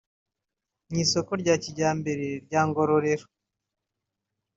Mu isoko rya Kijyambere rya Ngororero